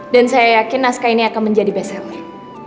dan saya yakin naskah ini akan menjadi best seller